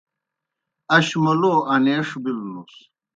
اش موْ لو انَیݜ بِلوْنُس۔